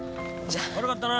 じゃあな